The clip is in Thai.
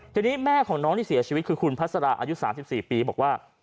ทีนี้แม่ของน้องที่เสียชีวิตคือคุณพัสราอายุ๓๔ปีบอกว่า